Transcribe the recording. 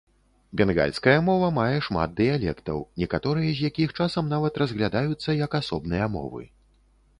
Бенгальская мова мае шмат дыялектаў, некаторыя з якіх часам нават разглядаюцца як асобныя мовы.